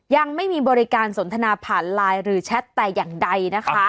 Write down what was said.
ยังไม่มีบริการสนทนาผ่านไลน์หรือแชทแต่อย่างใดนะคะ